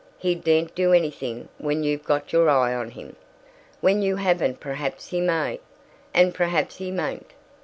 He daren't do anything when you've got your eye on him. When you haven't perhaps he may, and perhaps he mayn't.